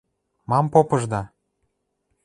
Мам попышда?